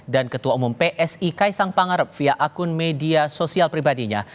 dan ketua umum psi kaisang pangarep via akun media sosial pribadinya